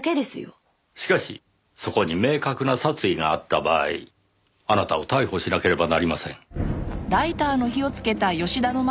しかしそこに明確な殺意があった場合あなたを逮捕しなければなりません。